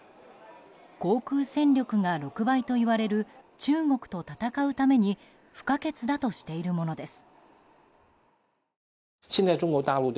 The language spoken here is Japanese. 航空戦力が６倍といわれる中国と戦うために不可欠だとしているものです。